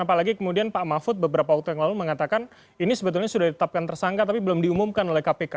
apalagi kemudian pak mahfud beberapa waktu yang lalu mengatakan ini sebetulnya sudah ditetapkan tersangka tapi belum diumumkan oleh kpk